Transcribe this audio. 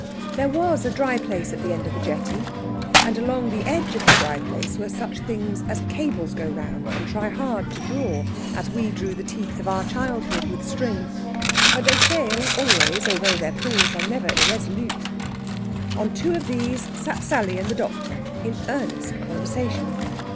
There was a dry place at the end of the jetty, and along the edge of the dry place were such things as cables go round and try hard to draw, as we drew the teeth of our childhood with string. But they fail always, although their pulls are never irresolute. On two of these sat Sally and the doctor in earnest conversation.